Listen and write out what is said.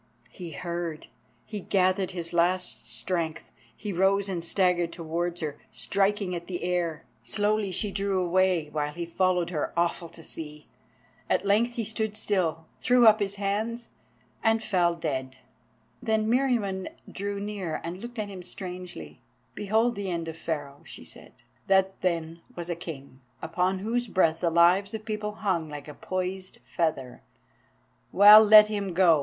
He heard. He gathered his last strength. He rose and staggered towards her, striking at the air. Slowly she drew away, while he followed her, awful to see. At length he stood still, he threw up his hands, and fell dead. Then Meriamun drew near and looked at him strangely. "Behold the end of Pharaoh," she said. "That then was a king, upon whose breath the lives of peoples hung like a poised feather. Well, let him go!